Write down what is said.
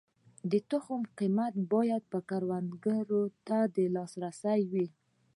د تخم قیمت باید کروندګر ته د لاسرسي وړ وي.